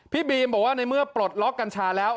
พี่บีมบอกว่าในเมื่อปลดล็อกกัญชาแล้ว